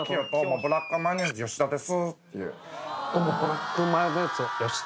ブラックマヨネーズ吉田です」